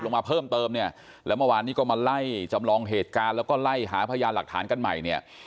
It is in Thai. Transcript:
มาเพิ่มเติมเนี่ยแล้วเมื่อวานนี้ก็มาไล่จำลองเหตุการณ์แล้วก็ไล่หาพยานหลักฐานกันใหม่เนี่ย